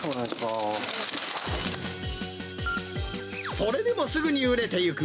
それでもすぐに売れていく。